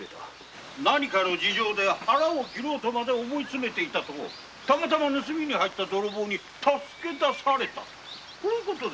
何かの事情で腹を切ろうと思いつめていたのをたまたま盗みに入った泥棒に助け出されたという事で？